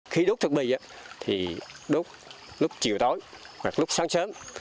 khi đốt thực bì thì đốt lúc chiều tối hoặc lúc sáng sớm